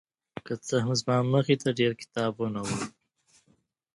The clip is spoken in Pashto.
که څه هم زما مخې ته ډېر کتابونه وو